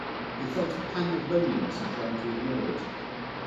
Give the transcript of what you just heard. He felt a pang of loneliness and tried to ignore it.